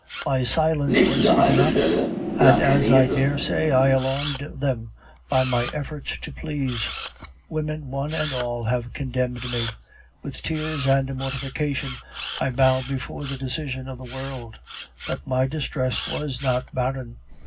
My silence was idiotic; and as I daresay I alarmed them by my efforts to please, women one and all have condemned me. With tears and mortification, I bowed before the decision of the world; but my distress was not barren.